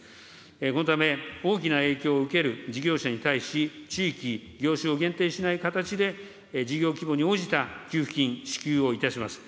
このため、大きな影響を受ける事業者に対し、地域、業種を限定しない形で、事業規模に応じた給付金支給をいたします。